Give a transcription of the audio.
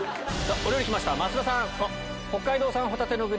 お料理来ました増田さん。